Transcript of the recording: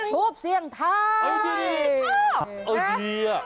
ทูพเซียงไทย